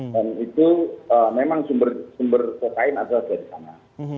dan itu memang sumber kokain adalah dari sana